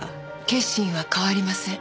決心は変わりません。